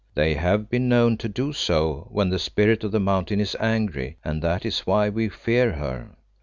"They have been known to do so when the Spirit of the Mountain is angry, and that is why we fear her."